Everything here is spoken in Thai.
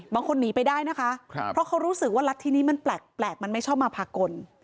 หนีไปได้นะคะเพราะเขารู้สึกว่ารัฐที่นี้มันแปลกมันไม่ชอบมาพากล